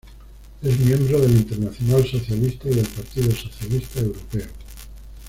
Es miembro de la Internacional Socialista y del Partido Socialista Europeo.